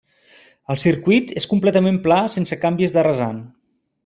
El circuit és completament pla sense canvis de rasant.